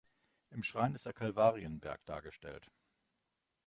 Im Schrein ist der Kalvarienberg dargestellt.